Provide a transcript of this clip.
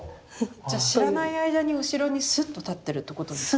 じゃ知らない間に後ろにスッと立ってるってことですか？